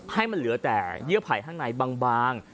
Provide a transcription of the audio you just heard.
ให้มันเหลือแต่เยื่อไผ่ข้างในบาง